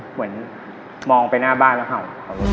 เหมือนมองไปหน้าบ้านแล้วเห่า